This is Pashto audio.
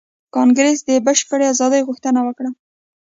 کانګریس د بشپړې ازادۍ غوښتنه وکړه.